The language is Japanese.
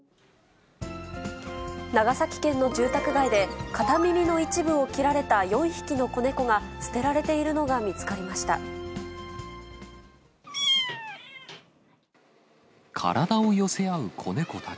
長崎県の住宅街で、片耳の一部を切られた４匹の子猫が捨てられているのが見つかりました。